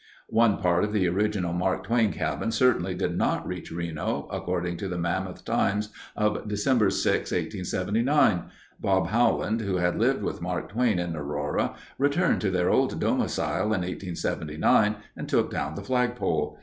One part of the original Mark Twain cabin certainly did not reach Reno, according to the Mammoth Times of December 6, 1879. Bob Howland, who had lived with Mark Twain in Aurora, returned to their old domicile in 1879 and took down the flagpole.